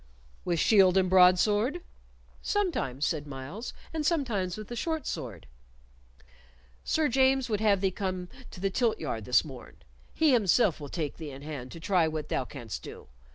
"With shield and broadsword?" "Sometimes," said Myles, "and sometimes with the short sword." "Sir James would have thee come to the tilt yard this morn; he himself will take thee in hand to try what thou canst do.